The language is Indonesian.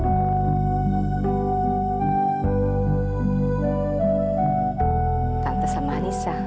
dan aku juga pengen ngundang tante sama anissa juga ke acara itu